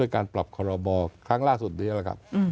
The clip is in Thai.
การปรับคอรมอครั้งล่าสุดนี้นะครับ